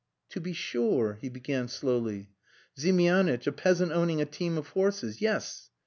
"To be sure!" he began slowly. "Ziemianitch, a peasant owning a team of horses. Yes.